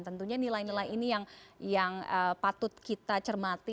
tentunya nilai nilai ini yang patut kita cermati